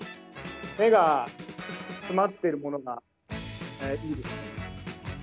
目が詰まってるものがいいですね。